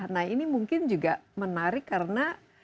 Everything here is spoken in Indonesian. nah ini mungkin juga menarik karena